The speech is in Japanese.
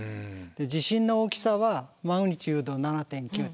地震の大きさはマグニチュード７．９。